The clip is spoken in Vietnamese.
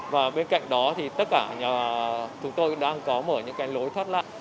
và bên cạnh đó thì tất cả nhà chúng tôi đang có mở những cái lối thoát nạn